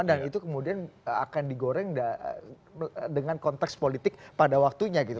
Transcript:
dan itu kemudian akan digoreng dengan konteks politik pada waktunya gitu